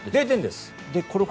０点です。